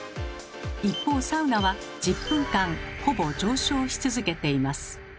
一方サウナは１０分間ほぼ上昇し続けています。